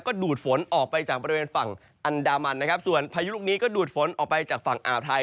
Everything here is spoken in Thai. ก็ดูดฝนออกไปจากบริเวณฝั่งอันดามันนะครับส่วนพายุลูกนี้ก็ดูดฝนออกไปจากฝั่งอ่าวไทย